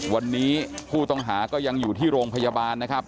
วันนี้ผู้ต้องหาก็ยังอยู่ที่โรงพยาบาลนะครับ